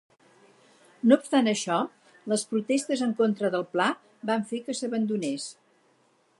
No obstant això, les protestes en contra del pla van fer que s'abandonés.